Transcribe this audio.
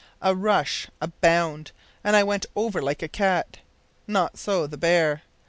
A rush! a bound! and I went over like a cat. Not so the bear.